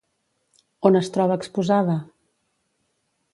On es troba exposada?